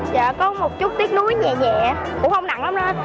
dạ có một chút tiếc núi nhẹ nhẹ cũng không nặng lắm đó